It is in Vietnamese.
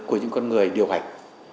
của những con người điều hành